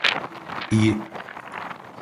İyi!